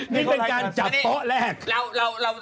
นี่เป็นการจัดโต๊ะแรก